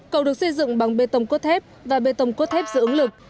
cầu được xây dựng bằng bê tông cốt thép và bê tông cốt thép giữ ứng lực